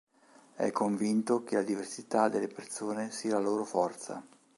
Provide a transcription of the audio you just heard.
È convinto che la diversità delle persone sia la loro forza.